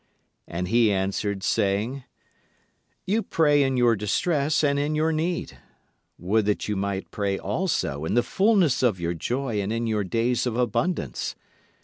And he answered, saying: You pray in your distress and in your need; would that you might pray also in the fullness of your joy and in your days of abundance.